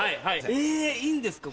えいいんですか？